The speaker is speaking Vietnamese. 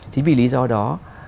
chính vì lý do đó